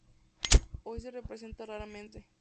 Hoy se representa raramente.